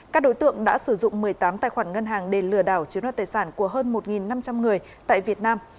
các đối tượng đã sử dụng một mươi tám tài khoản ngân hàng để lừa đảo chiếm đoạt tài sản của hơn một năm trăm linh người tại việt nam